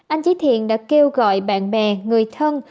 anh chị thiện đã kêu gọi bạn bè người thân